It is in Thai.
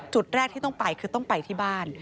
จุดแรกที่ต้องไปคือต้องไปที่บ้าน